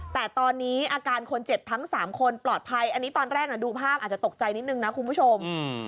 แต่ตอนนี้อาการคนเจ็บทั้ง๓คนปลอดภัยอันนี้ตอนแรกดูภาพอาจจะตกใจนิดนึงนะคุณผู้ชม